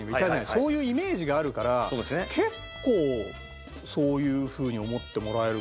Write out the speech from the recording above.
そういうイメージがあるから結構そういうふうに思ってもらえるかなって気がする。